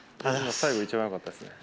最後が一番よかったですね。